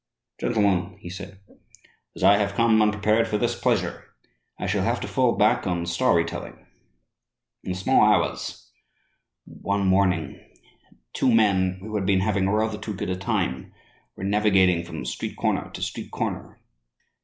"Gentlemen," he said, "as I have come unprepared for this pleasure, I shall have to fall back on story telling. In the small hours, one morning, two men who had been having rather too good a time were navigating from street corner to street corner.